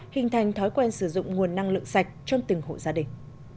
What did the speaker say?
hình thành thói quen sử dụng nguồn năng lượng sạch trong từng hộ gia đình